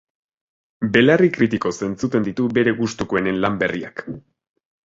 Belarri kritikoz entzuten ditu bere gustukuenen lan berriak.